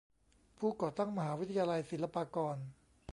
ผู้ก่อตั้งมหาวิทยาลัยศิลปากร